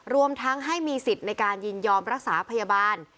รวมทั้งให้มีสิทธิ์ในการยินยอมรักษาพยาบาล